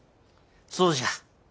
そうじゃ。